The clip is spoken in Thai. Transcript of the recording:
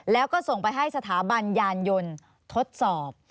แล้วก็ส่งไปให้สถาบันยานยนต์ทดสอบ